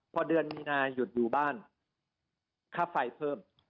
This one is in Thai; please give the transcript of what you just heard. พอเดือนมีนาหยุดอยู่บ้านค่าไฟเพิ่ม